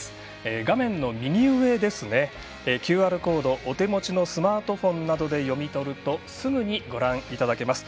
画面右上のＱＲコードをお手持ちのスマートフォンなどで読み取るとすぐにご覧いただけます。